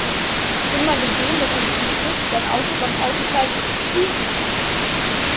Schon mal gesehen, dass ein Polizist sein Auto beim Aussteigen abschließt?